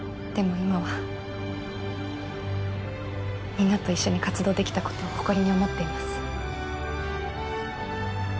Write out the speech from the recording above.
今はみんなと一緒に活動できたことを誇りに思っています